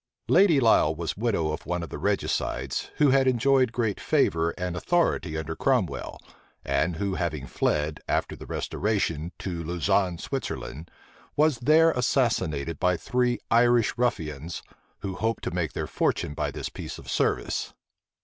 Lady Lisle was widow of one of the regicides, who had enjoyed great favor and authority under Cromwell, and who having fled, after the restoration, to Lauzanne, in Switzerland, was there assassinated by three Irish ruffians, who hoped to make their fortune by this piece of service.